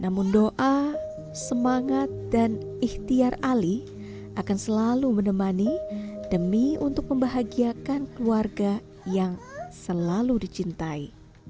namun doa semangat dan ikhtiar ali akan selalu menemani demi untuk membahagiakan keluarga yang selalu dicintai